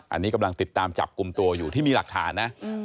อันนี้กำลังติดตามจับกลุ่มตัวอยู่ที่มีหลักฐานนะ